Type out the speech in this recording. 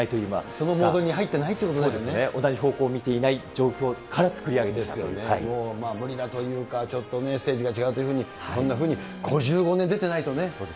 そのモードに入ってないって同じ方向を見ていない、無理だというか、ステージが違うというふうに、そんなふうに５５年出てないとね。